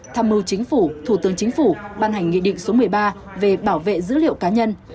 tham mưu chính phủ thủ tướng chính phủ ban hành nghị định số một mươi ba về bảo vệ dữ liệu cá nhân